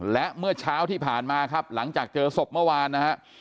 และเมื่อเช้าที่ผ่านมาครับหลังจากเจอศพเมื่อวานนะฮะ